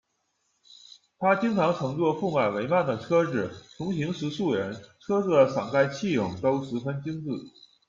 他经常乘坐覆满帷幔的车子，从行十数人，车子的伞盖器用都十份精致。